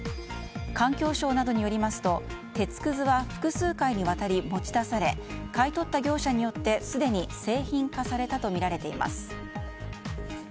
環境省などによりますと鉄くずは複数回にわたり持ち出され買い取った業者によって、すでに製品化されたとみられています。